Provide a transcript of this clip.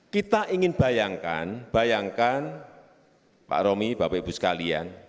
kita ingin bayangkan bayangkan pak romi bapak ibu sekalian